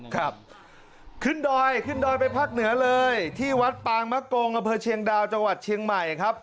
ครับขึ้นดอยขึ้นดอยไปภาคเหนือเลยที่วัดปางมะกงอำเภอเชียงดาวจังหวัดเชียงใหม่ครับ